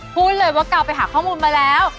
พูดเลยว่ากาวไปหาข้อมูลมาแล้ว